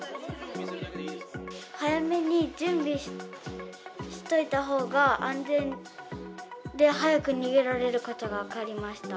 早めに準備しといたほうが、安全で早く逃げられることが分かりました。